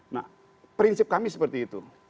nah prinsip kami seperti itu